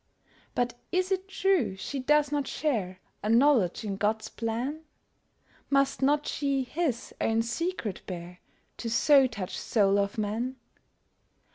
But is it true she does not share A knowledge in God's plan? Must not she His own secret bear To so touch soul of man?